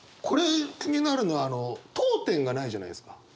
これ気になるのは読点がないじゃないですか。